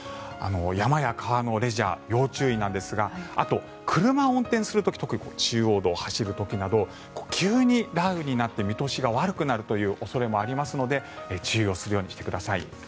山や川のレジャー要注意なんですがあと、車を運転する時特に中央道を走る時など急に雷雨になって見通しが悪くなるという恐れもありますので注意をするようにしてください。